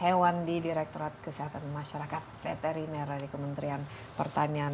saya lagi datang di direkturat kesehatan masyarakat veteriner dari kementerian pertanian